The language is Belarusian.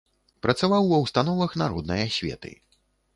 Працаваў ва ўстановах народнай асветы.